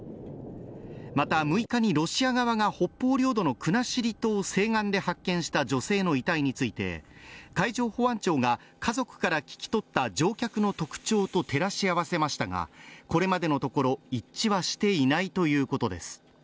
また、６日にロシア側が北方領土の国後島西岸で発見した女性の遺体について、海上保安庁が家族から聞き取った乗客の特徴と照らし合わせましたが、これまでのところ、一致はしていないということです。